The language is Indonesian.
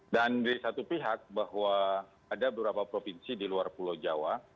dan di satu pihak bahwa ada beberapa provinsi di luar pulau jawa